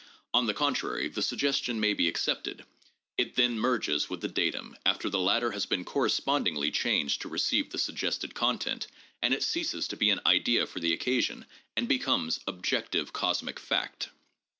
On the contrary, the suggestion may be accepted; it then merges with the datum, after the latter has been correspondingly changed to re ceive the suggested content, and it ceases to be an idea for the occa sion and becomes objective cosmic fact.